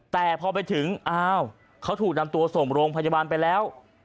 แต่พอไปถึงอ้าวเขาถูกนำตัวส่งโรงพยาบาลไปแล้ว